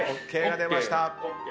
ＯＫが出ました。